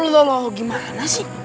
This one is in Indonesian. loh gimana sih